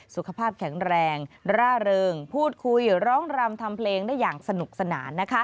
สุขภาพแข็งแรงร่าเริงพูดคุยร้องรำทำเพลงได้อย่างสนุกสนาน